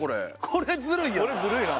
これずるい。